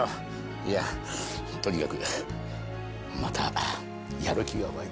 いやとにかくまたやる気が湧いてきたよ。